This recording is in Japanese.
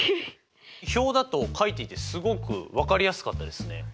表だと書いていてすごく分かりやすかったですね。